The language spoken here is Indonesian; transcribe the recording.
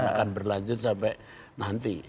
karena akan berlanjut sampai nanti